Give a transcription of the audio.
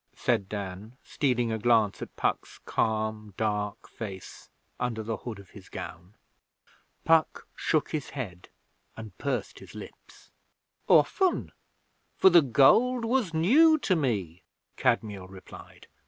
said Dan, stealing a glance at Puck's calm, dark face under the hood of his gown. Puck shook his head and pursed his lips. 'Often; for the gold was new to me,' Kadmiel replied.